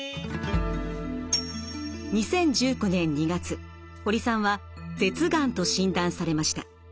２０１９年２月堀さんは舌がんと診断されました。